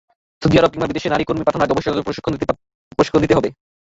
Saudi Arab কিংবা বিদেশে নারী কর্মী পাঠানোর আগে অবশ্যই যথাযথ প্রশিক্ষণ দিতে হবে।